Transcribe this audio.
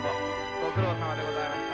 ご苦労さまでございました。